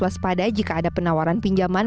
waspada jika ada penawaran pinjaman